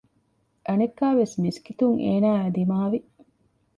އަނެއްކާވެސް މިސްކިތުން އޭނާއާއި ދިމާވި